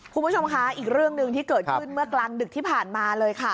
คุณผู้ชมคะอีกเรื่องหนึ่งที่เกิดขึ้นเมื่อกลางดึกที่ผ่านมาเลยค่ะ